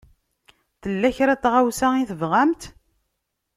Tella kra n tɣawsa i tebɣamt?